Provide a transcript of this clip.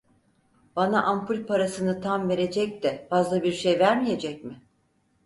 Bana ampul parasını tam verecek de fazla bir şey vermeyecek mi?